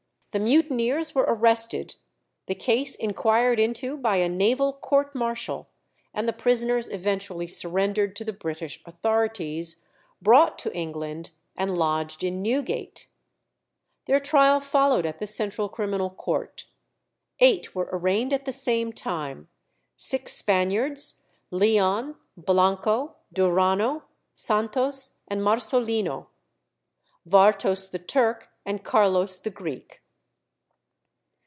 The mutineers were arrested, the case inquired into by a naval court martial, and the prisoners eventually surrendered to the British authorities, brought to England, and lodged in Newgate. Their trial followed at the Central Criminal Court. Eight were arraigned at the same time: six Spaniards, Leon, Blanco, Duranno, Santos, and Marsolino; Vartos the Turk, and Carlos the Greek.